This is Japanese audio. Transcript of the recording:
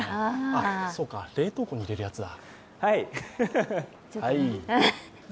そうか、冷凍庫にいれるやつだ